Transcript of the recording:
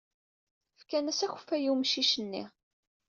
Fkan-as akeffay i umcic-nni.